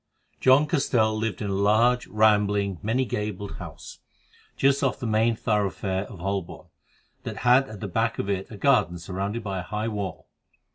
John Castell lived in a large, rambling, many gabled, house, just off the main thoroughfare of Holborn, that had at the back of it a garden surrounded by a high wall.